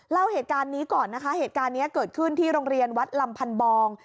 เล่าเหตุการณ์นี้ก่อนนะคะเหตุการณ์นี้เกิดขึ้นที่โรงเรียนวัดลำพันบอง